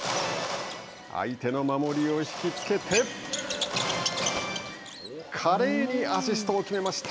相手の守りを引き付けて華麗にアシストを決めました。